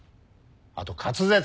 あと滑舌。